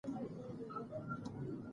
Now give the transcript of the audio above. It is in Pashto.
شین ځای ته لاړ شئ.